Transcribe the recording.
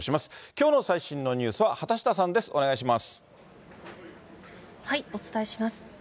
きょうの最新のニュースは畑下さお伝えします。